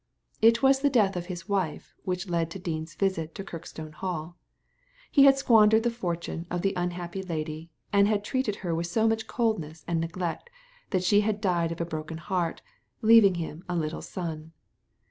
It was the death of his wife which led to Dean's visit to Kirkstone Hall. He had squandered the fortune of the unhappy lady, and had treated her with so much coldness and neglect that she had died of a broken heart, leaving him a little son.